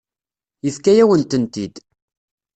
Yefka-yawen-tent-id.